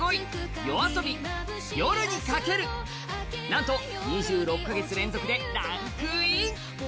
なんと２６カ月連続でランクイン。